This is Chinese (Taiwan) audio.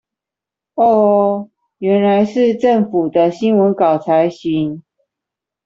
喔喔原來是政府的新聞稿才行